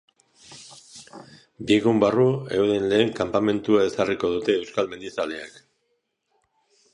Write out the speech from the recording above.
Bi egun barru euren lehen kanpamendua ezarriko dute euskal mendizaleek.